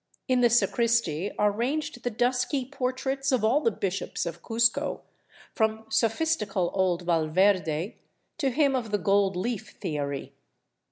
In the sacristy are ranged the dusky portraits of all the Bishops of Cuzco, from sophistical old Valverde to him of the gold leaf theory.